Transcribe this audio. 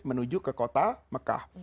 menuju ke kota mekah